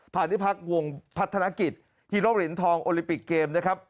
ผ่านที่พักวงพัฒนากิจฮีโร่หลินทองโอลิปิกเกมนะครับ